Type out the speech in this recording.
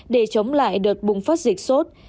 để chống lại đợt bùng phát dịch sốt